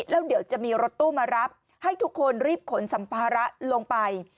แล้วเดี๋ยวจะมีรถตู้มารับให้ทุกคนรีบขนสัมภาระลงไป